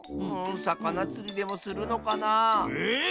んさかなつりでもするのかな？え？